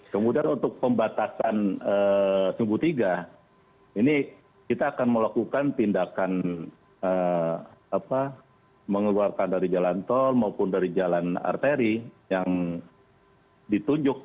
kemudian untuk pembatasan sumbu tiga ini kita akan melakukan tindakan mengeluarkan dari jalan tol maupun dari jalan arteri yang ditunjuk